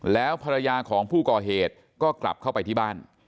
แล้วภรรยาของผู้ก่อเหตุก็กลับเข้าไปที่บ้าน